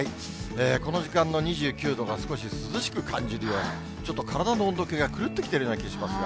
この時間の２９度が少し涼しく感じるような、ちょっと体の温度計が狂ってきているような気がしますが。